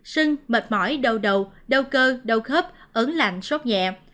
sưng mệt mỏi đau đầu đau cơ đau khớp ấn lạnh sốt nhẹ